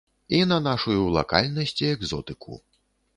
І на нашую лакальнасць і экзотыку.